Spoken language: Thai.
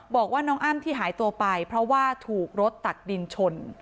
บอกว่าน้องอ้ำที่หายตัวไปเพราะว่าถูกรถตักดินชน